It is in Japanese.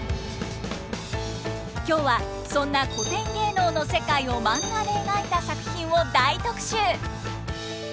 今日はそんな古典芸能の世界をマンガで描いた作品を大特集！